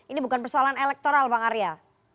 ini bukan persoalan elektoral bang arya